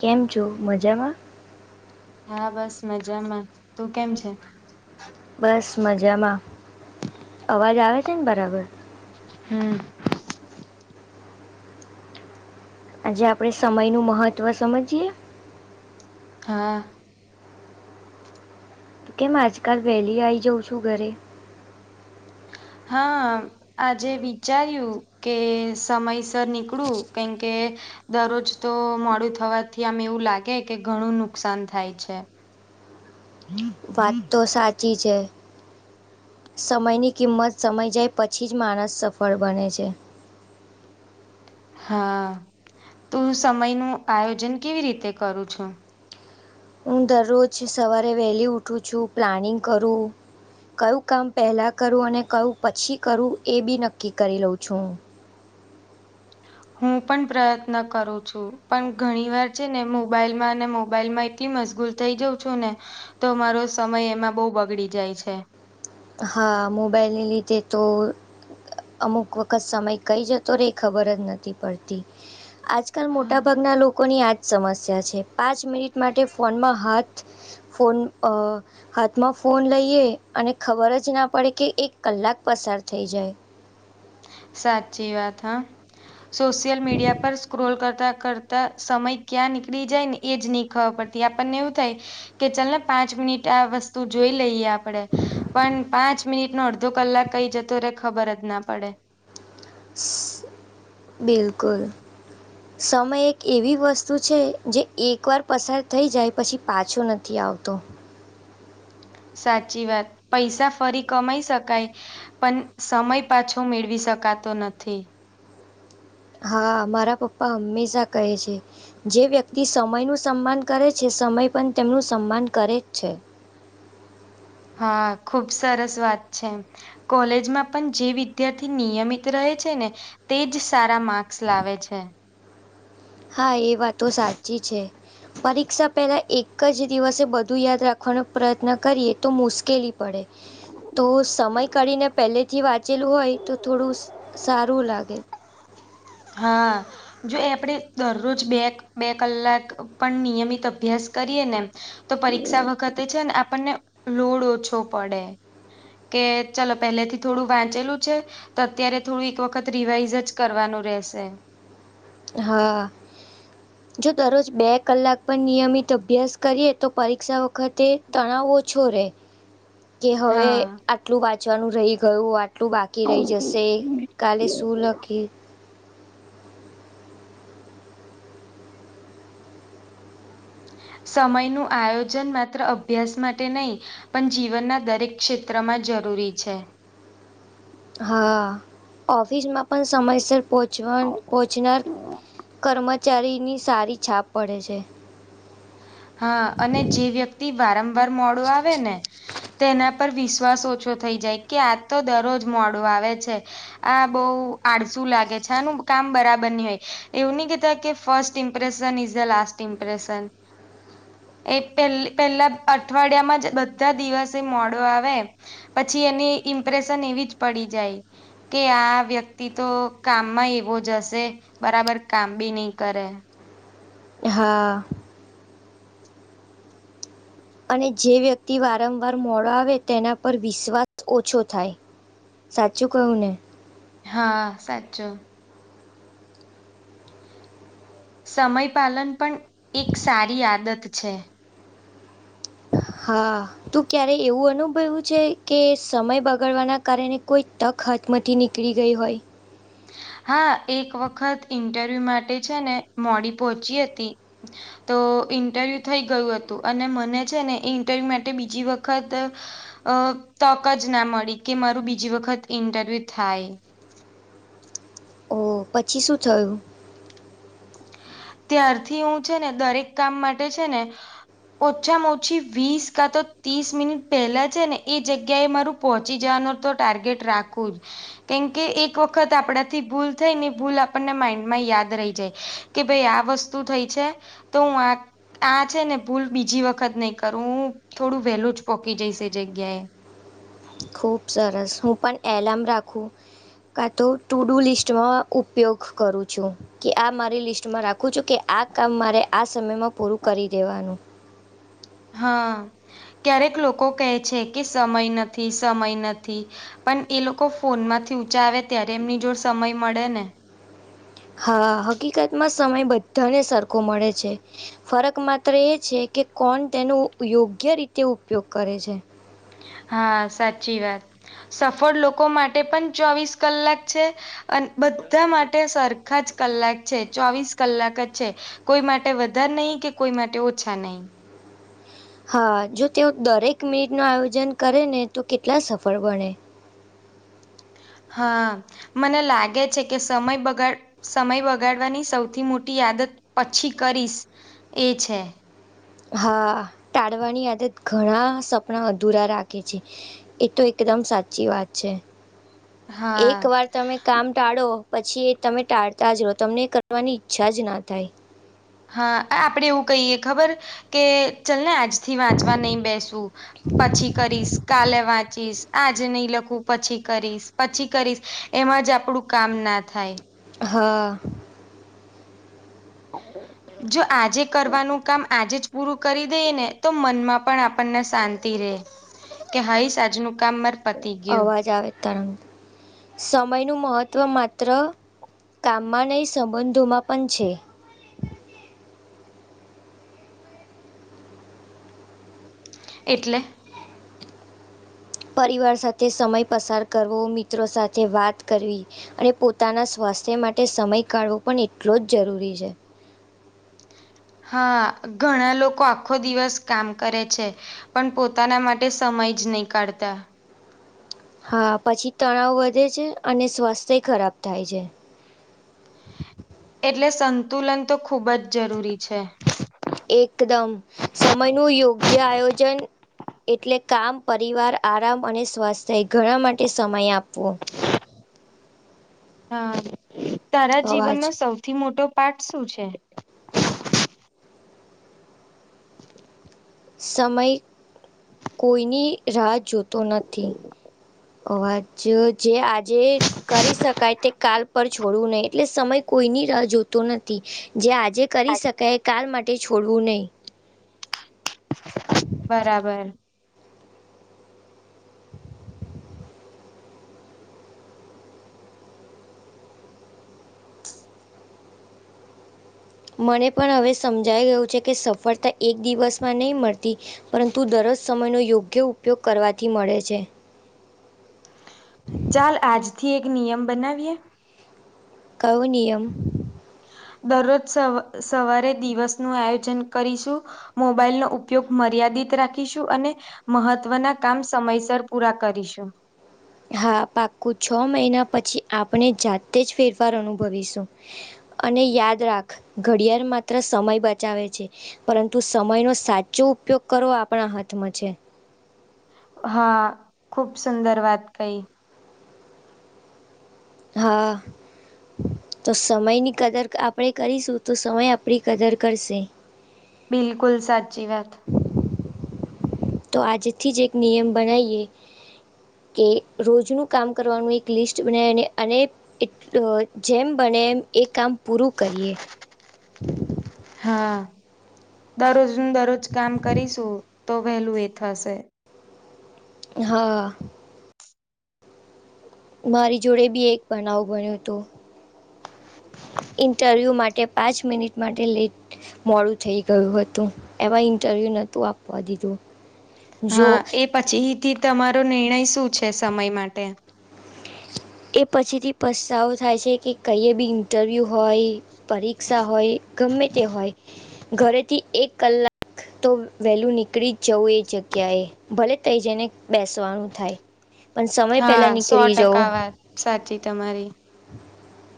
કેમ છો મજામાં? હા બસ મજામાં તું કેમ છે? બસ મજામાં અવાજ આવે છે ને બરાબર? હમ. આજે આપડણે સમય નું મહત્વ સમજીએ? હા. તો કેમ આજકાલ વહેલી આવી જાઉં છું ઘરે? હા. આજે વિચાર્યું કે સમયસર નીકળું કેમકે- - દરરોજ તો મોડું થવાથી આમ એવું લાગે કે ઘણું નુકસાન થાય છે. વાત તો સાચી છે. સમયની કિંમત સમય જાય પછી જ માણસ સફળ બને છે. હા તું સમય નું આયોજન કેવી રીતે કરું છે? હું દરરોજ સવારે વહેલી ઉઠું છું પ્લાનિંગ કરું- - કયું કામ પહેલાં કરું અને કયું પછી કરું એ બી નક્કી કરી લઉં છું હું. હું પણ પ્રયત્ન કરું છું પણ ઘણી વાર છે ને મોબાઈલ માં અને મોબાઈલ માં એટલી મજગૂલ- - થઈ જઉં છું ને તો મારો સમય એમાં બહુ બગડી જાય છે. હા મોબાઈલને લીધે તો- - અમુક વખત સમય કઈ જતો રે ખબર જ નથી પડતી- - આજકાલ મોટાભાગના લોકોની આજ- - સમસ્યા છે પાંચ મિનિટ માટે ફોનમાં હાથ- - ફોન અ હાથમાં ફોન લઈએ અને- - ખબર જ ના પડે કે એક કલાક પસાર થઈ જાય. સાચી વાત હા. સોશિયલ મીડિયા પર સ્ક્રોલ કરતા કરતા સમય ક્યાં નીકળી જાય ને- - એ જ નહીં ખબર પડતી આપણને એવું થાય કે ચલ ને પાંચ મિનિટ આ વસ્તુ જોઈ લઈએ આપણે. પણ પાંચ મિનિટ નો અડધો કલાક કઈ જતો રે ખબર જ ના પડે. બિલકુલ. સમય એક એવી વસ્તુ છે જે એકવાર પસાર થઈ જાય પછી પાછો - - નથી આવતો. સાચી વાત પૈસા ફરી કમાઈ શકાય. પણ સમય પાછો મેળવી શકાતો નથી. હા મારા પપ્પા હંમેશા કહે છે. જે વ્યક્તિ સમયનું સન્માન કરે છે સમય પણ તેમનું સન્માન કરે છે. હા ખુબ સરસ વાત છે. કોલેજમાં પણ જે વિદ્યાર્થી નિયમિત રહે છે ને તેજ સારા માર્ક્સ લાવે છે. હા એ વાતો સાચી છે પરીક્ષા પહેલાં એક એક જ દિવસે બધું યાદ રાખવાનો પ્રયત્ન કરીએ તો મુશ્કેલી પડે. તો સમય કાઢીને પહેલેથી વાંચેલું હોય તો થોડું સારું લાગે. હા જો એ આપણેે દરરોજ બે બે કલાક પણ નિયમિત અભ્યાસ કરીએ ને તો પરીક્ષા વખતે છે ને આપણને લોડ ઓછો પડે. કે ચલો પહેલે થી થોડું વાંચેલું છે. તો અત્યારે થોડું એક વખત રિવાઈઝ જ કરવાનું રહેશે. હા. જો દરરોજ બે કલાક પર નિયમિત અભ્યાસ કરીએ તો પરીક્ષા વખતે તણાવ ઓછો રે. કે હવે હા આટલું વાંચવાનું રહી ગયું. આટલું બાકી રહી જશે કાલે શું લખી સમય નું આયોજન માત્ર અભ્યાસ માટે નહી પણ જીવનના દરેક ક્ષેત્રમાં જરૂરી છે. હા ઓફિસમાં પણ સમયસર પહોચવા પહોંચનાર કર્મચારીની સારી છાપ પડે છે. હા અને જે વ્યક્તિ વારંવાર મોડું આવે ને તેના પર વિશ્વાસ ઓછો થઈ જાય કે આ તો દરરોજ મોડો આવે છે. આ બહ આડસુ લાગે છે આનું કામ બરાબર નઈ હોય એવું નહી કેતા કે first impression is the last impression. એ પે પેલા અઠવાડિયામાં જ બધા દિવસે મોડો આવે. પછી એની ઇમ્પ્રેશન એવી જ પડી જાય. કે આ વ્યક્તિ તો કામમાં એવો જ હશે. બરાબર કામ બી નહી કરે. હા અને જે વ્યક્તિ વારંવાર મોડો આવે તેના પર વિશ્વાસ ઓછો થાય. સાચું કહું ને હા સાચું. સમય પાલન પણ એક સારી આદત છે. હા ત ક્યારે એવું અનુભવું છે કે સમય બગાડવાના કારણે કોઈ હાથમાથી નીકળી ગઈ હોય. હા એક વખત ઇન્ટરવ્યુ માટે છે ને મોડી પહોંચી હતી. તો ઇન્ટરવ્યુ થઈ ગયું હતું અને મને છે ને એ ઇન્ટરવ્યૂ માટે બીજી વખત અ તક જ ના મળી કે મારું બીજી વખત ઇન્ટરવ્યુ થાય. ઓ પછી શું થયું? ત્યારથી હું છે ને દરેક કામ માટે છે ને ઓછામાં ઓછી વીસ કા તો ત્રીસ મિનિટ પહેલા છે ને એ જગ્યાએ મારું પહોંચી જવાનો તો ટાર્ગેટ રાખું જ કેમકે એક વખત આપડાથી ભૂલ થઈ ને ભૂલ આપણને માઈન્ડ માં યાદ રહી જાય. કે ભાઈ આ વસ્તુ થઈ છે તો હું આ આ છે ને ભૂલ બીજી વખત નહી કરું હું થોડું વહેલું જ પોકી જઈશ એ જગ્યા એ ખુબ સરસ હું પણ એલારમ રાખું કા તો ટુ ડુ લિસ્ટમાં ઉપયોગ કરું છું. કે આ મારી લિસ્ટમાં રાખું છું કે આ કામ મારે આ સમયમાં પૂરું કરી દેવાનું હા ક્યારેક લોકો કહે છે કે સમય નથી સમય નથી પણ એ લોકો ફોન માંથી ઊંચા આવે ત્યારે એમની જો સમય મળે ને હા હકીકત માં સમય બધાને સરખો મળે છે. ફરક માત્ર એ છે કે કોણ તેનો યોગ્ય રીતે ઉપયોગ કરે છે. હા સાચી વાત સફળ લોકો માટે પણ ચોવીસ કલાક છે. અને બધા માટે સરખા જ કલાક છે ચોવીસ કલાક જ છે. કોઈ માટે વધારે નહીં કે કોઈ માટે ઓછા નહી. હા જો તેઓ દરેક મિનિટ ન આયોજન કરે ને તો કેટલા સફળ બણે હા મને લાગે છે કે સમય બગાડ સમય બગાડવાની સૌથી મોટી આદત પછી કરીશ એ છે. હા ટાળવાની આદત ઘણા સપના અધૂરા રાખે છે. એ તો એકદમ સાચી વાત છે હા એક વાર તમે કામ ટાળો પછી એ તમે ટાળતા જ રહો તમને કરવાની ઈચ્છા જ ના થાય. હા આપડે એવું કહીયએ ખબર કે ચલ ને આજથી વાંચવા નહી બેસું પછી કરીશ કાલે વાત ચી આજ નહી લખું પછી કરીશ પછી કરીશ એમાં જ આપડું કામ ના થાય. હા હા જો આજે કરવાનું કામ આજે જ પૂરું કરી દઈ ને તો મનમાં પણ આપણને શાંતિ રહેે કે હાાઈ સાજનું કામ મર અવાજ આવે તરણ સમયનું મહત્ત્વ માત્ર કામમાં નહીં સંબંધોમાં પણ છે. એટલે પરિવાર સાથે સમય પસાર કરવો મિત્રો સાથે વાત કરવી અને પોતાના સ્વાસ્થ્ય માટે સમય કાઢવો પણ એટલો જ જરૂરી છે. હા ઘણા લોકો આખો દિવસ કામ કરે છે. પણ પોતાના માટે સમય જ નહી કાઢતા હા પછી તણાવ વધે છે અને સ્વાસ્થ્ય ખરાબ થાય છે. એટલે સંતુલન તો ખુબ જ જરૂરી છે. એકદમ સમય ન યોગ્ય આયોજન એટલે કામ પરિવાર આરામ અને સ્વાસ્થ થાય ઘણા માટે સમય આપવો હા તારા અવાજ. જીવનનોો સૌથી મોટો પાઠ શું છે. સમય કોઈની રાહ જોતો નથી. અ વાજ જે આજે કરી શકાય તે કાલ પર છોડવું નહી એટલે સમય કોઈની જોતો નથી જે આજે જે કરી શકાય કારાલ માટે છોડવું નહીં બરાબર [unintelligible] મને પણ હવે સમજાઈ ગયું છે કે સફળતા એક દિવસમાં નહીં મળતી પરંતુ દરજ સમયનો યોગ્ય ઉપયોગ કરવાથી મળે છે. ચાલ આજથી એક નિયમ બનાવીએ કયો નિયમ? દરરોજ સ સવારે દિવસનું આયોજન કરીશું. મોબાઈલનો ઉપયોગ મર્યાદિત રાખીશું, અને મહત્વના કામ સમયસર પૂરા કરીશું. હા પાકું છ મહિના પછી આપણે જાતે જ ફેરફાર અનુભવીશું. અને યાદ રાખ ઘડિયાળ માત્ર સમય બચાવે છે. પરંતુ સમયનો સાચો ઉપયોગ કરવો આપણા હાથમાં છે. હા ખુબ સુંદર વાત કઈ. હા તો સમયની કદર આપણેે કરીશું, તો સમય આપણી કદર કરશે. બિલકુલ સાચી વાત. તો આજે થી જ એક નિયમ બનાઈએ. કે રોજનું કામ કરવાનું એક લિસ્ટ બનાવીને અને એટ જેમ બને એમ એ કામ પૂરું કરીએ. હા દરરોજનું દરરોજ કામ કરીશું તો વહેલું એ થશે. હા મારી જોડે બી એક બનાવ બન્યો તો. ઇન્ટરવ્યૂ માટે પાંચ મિનિટ માટે લેટ મોડું થઈ ગયું હતું. એમાં ઇન્ટરવ્યુ નતું આપવા દીધું. જો હા એ પછીથી તમારો નિર્ણય શું છે સમય માટે? એ પછીથી પસ્તાવો થાય છે કે કઈએ બી ઇન્ટરવ્યુ હોય, પરીક્ષા હોય, ગમે તે હોય ઘરેથી એક કલાક તો વહેલું નીકળી જ જવું એ જગ્યાએ. ભલે તઈ જઈને બેસવાનું થાય. પણ સમય હા પેલા સો નીકળી જવો. ટકા વાત સાચી તમારી. [inaudible]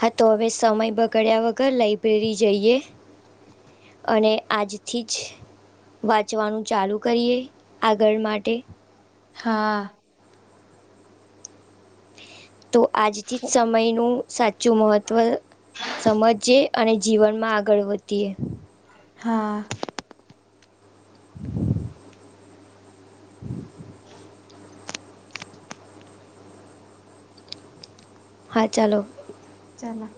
હા તો હવે સમય બગાડ્યા વગર લાઈબ્રેરી જઈએ? અને આજથી જ વાંચવાનું ચાલું કરીએ આગળ માટે. હા તો આજથી જ સમયનું સાચું મહત્વ સમજીએ. અને જીવનમાં આગળ વધીએ. હા હ હા ચાલો. ચલો.